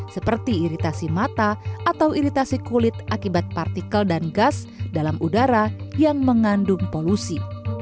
seperti iritasi mata atau iritasi kulit akibat partikel dan gas dalam udara yang mengandung polusi